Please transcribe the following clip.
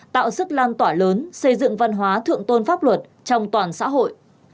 tạo sức lan tỏa lớn xây dựng văn hóa thượng tôn pháp luật trong toàn xã hội